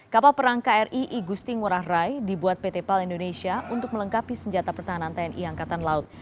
kapal perang kri igusti ngurah rai dibuat pt pal indonesia untuk melengkapi senjata pertahanan tni angkatan laut